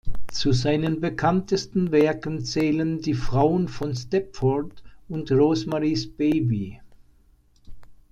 Zu seinen bekanntesten Werken zählen "Die Frauen von Stepford" und "Rosemaries Baby".